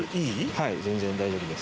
はい全然大丈夫です。